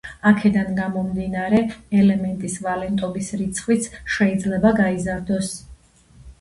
აქედან გამომდინარე, ელემენტის ვალენტობის რიცხვიც შეიძლება გაიზარდოს.